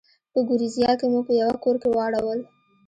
په ګوریزیا کې مو په یوه کور کې واړول.